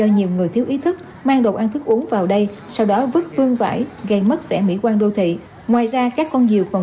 nhưng khi đó là qua thăm các chán